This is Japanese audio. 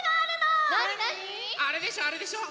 あれでしょあれでしょ